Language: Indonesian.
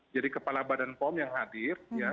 jadi kepala badan pom yang hadir